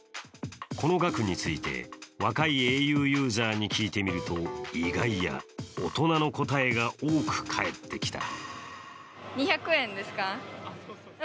この額について、若いａｕユーザーに聞いてみると意外や大人の答えが多く返ってきた。